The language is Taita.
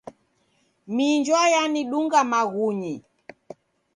Minjwa yanidunga maghunyi.